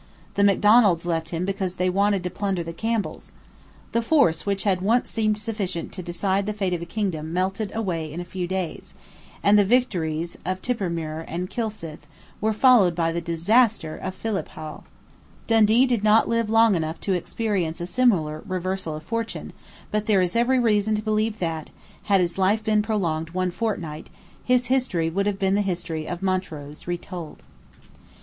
The Macdonalds left him because they wanted to plunder the Campbells. The force which had once seemed sufficient to decide the fate of a kingdom melted away in a few days; and the victories of Tippermuir and Kilsyth were followed by the disaster of Philiphaugh. Dundee did not live long enough to experience a similar reverse of fortune; but there is every reason to believe that, had his life been prolonged one fortnight, his history would have been the history of Montrose retold.